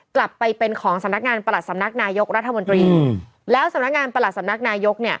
กลับไปเป็นของสำนักงานประหลัดสำนักนายกรัฐมนตรีอืมแล้วสำนักงานประหลัดสำนักนายกเนี่ย